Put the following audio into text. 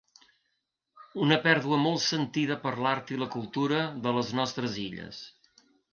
Una pèrdua molt sentida per l'art i la cultura de les nostres illes.